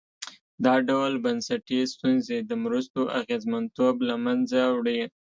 دا ډول بنسټي ستونزې د مرستو اغېزمنتوب له منځه وړي.